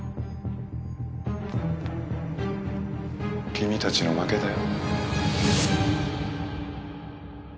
君たちの負けだよ。